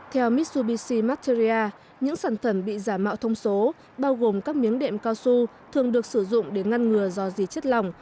theo mitsubishi materia những sản phẩm bị giả mạo thông số bao gồm các miếng đệm cao su thường được sử dụng để ngăn ngừa do dì chất lòng